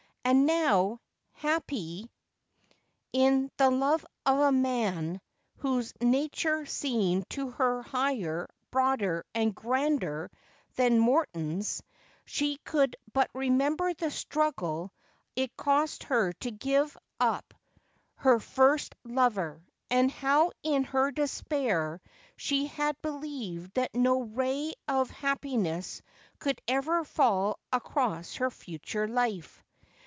And now, happy in the love of a man whose nature seemed to her higher, broader, and grander than Morton's, she could but remember the struggle it cost her to give up her first lover, aud how in her despair she had believed that no ray of happiness could ever fall across her future life.